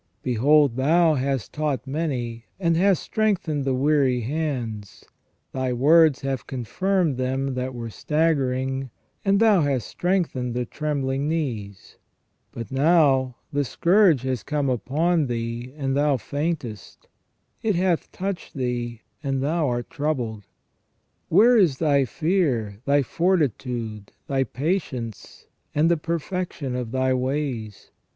Behold thou hast taught many, and hast strengthened the weary hands : thy words have confirmed them that were staggering, and thou hast strengthened the trembling knees ; but now the scourge has come upon thee and thou faintest; it hath touched thee, and thou art troubled. Where is thy fear, thy fortitude, thy patience, and the perfection of thy ways